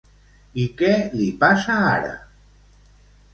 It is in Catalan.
I què li passa ara?